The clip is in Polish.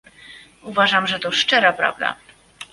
Uważam, że to szczera prawda